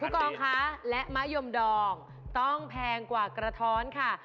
กองค่ะและมะยมดองต้องแพงกว่ากระท้อนค่ะ